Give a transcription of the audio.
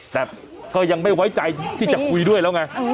แต่ก็ยังไม่ไว้ใจที่จะคุยด้วยแล้วไง